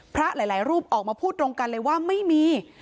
หลายรูปออกมาพูดตรงกันเลยว่าไม่มี